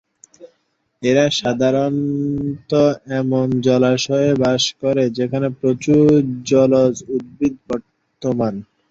এরা সাধারণত এমন জলাশয়ে বাস করে যেখানে প্রচুর জলজ উদ্ভিদ বর্তমান।